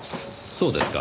そうですか。